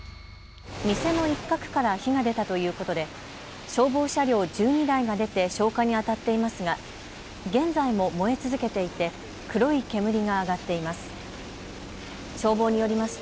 店の一角から火が出たということで消防車両１２台が出て消火にあたっていますが現在も燃え続けていて黒い煙が上がっています。